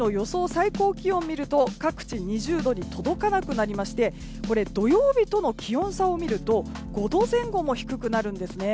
最高気温を見ると各地２０度に届かなくなりまして土曜日との気温差を見ると５度前後も低くなるんです。